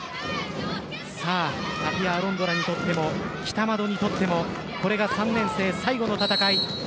タピア・アロンドラにとっても北窓にとってもこれが３年生最後の戦い。